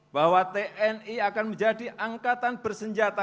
bahwa tni akan menjadi angkatan bersenjata